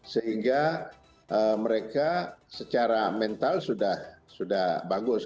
sehingga mereka secara mental sudah bagus